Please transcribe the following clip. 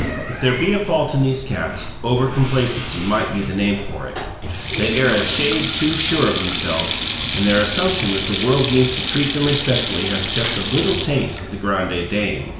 If there be a fault in these cats, overcomplacency might be the name for it; they err a shade too sure of themselves, and their assumption that the world means to treat them respectfully has just a little taint of the grande dame.